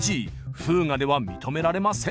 フーガでは認められません！